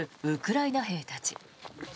ウクライナ兵たち。